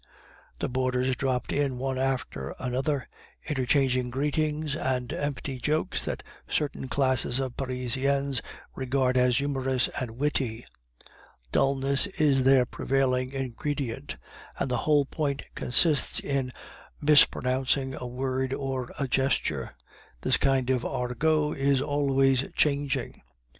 The boarders dropped in one after another, interchanging greetings and empty jokes that certain classes of Parisians regard as humorous and witty. Dulness is their prevailing ingredient, and the whole point consists in mispronouncing a word or a gesture. This kind of argot is always changing.